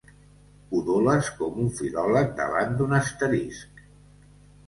Udoles com un filòleg davant d'un asterisc.